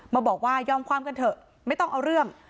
มาบอกว่ายอมความกันเถอะไม่ต้องเอาเรื่อง